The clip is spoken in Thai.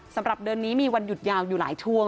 สำหรับเดือนนี้มีวันหยุดยาวอยู่หลายช่วง